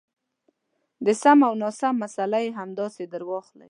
د سم او ناسم مساله یې همداسې درواخلئ.